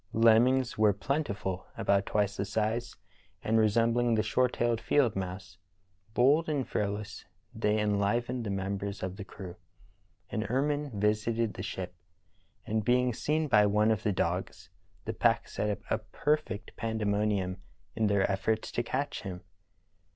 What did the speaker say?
Lemmings were plentiful, about twice the size of and resembling the short tailed field mouse. Bold and fearless, they enlivened the members of the crew. An ermine visited the ship, and, being seen by one of the dogs, the pack set up a perfect pandemonium in their efforts to catch him.